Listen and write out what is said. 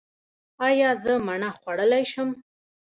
ایا زه مڼه خوړلی شم؟